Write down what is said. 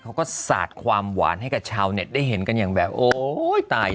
เขาก็สาดความหวานให้กับชาวเน็ตได้เห็นกันอย่างแบบโอ้ยตาย